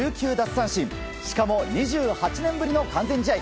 奪三振しかも、２８年ぶりの完全試合。